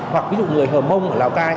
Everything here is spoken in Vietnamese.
hoặc ví dụ người hờ mông ở lào cai